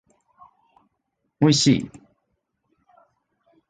おいしい